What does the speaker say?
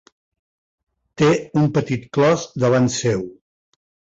Té un petit clos davant seu.